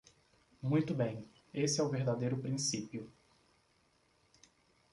Muito bem! Esse é o verdadeiro princípio.